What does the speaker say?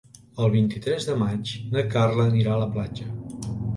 El vint-i-tres de maig na Carla anirà a la platja.